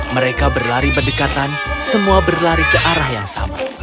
mereka berlari berdekatan semua berlari ke arah yang sama